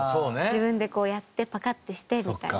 自分でこうやってパカッてしてみたいな。